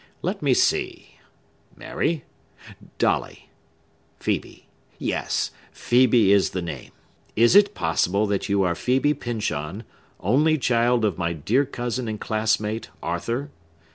Let me see,—Mary?—Dolly?—Phœbe?—yes, Phœbe is the name! Is it possible that you are Phœbe Pyncheon, only child of my dear cousin and classmate, Arthur?